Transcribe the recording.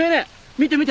見て見て！